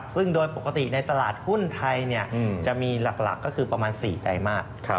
ซึ่งโดยปกติในตลาดหุ้นไทยจะมีหลักก็คือประมาณ๔ไตรมาส